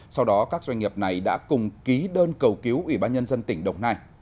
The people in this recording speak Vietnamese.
sau đó các doanh nghiệp này đã cùng ký đơn cầu cứu ủy ban nhân dân tỉnh đồng nai